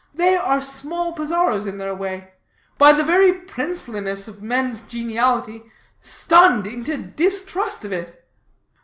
They are small Pizarros in their way by the very princeliness of men's geniality stunned into distrust of it."